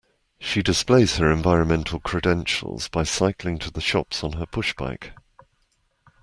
She displays her environmental credentials by cycling to the shops on her pushbike